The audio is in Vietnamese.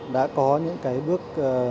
đã có những cái bước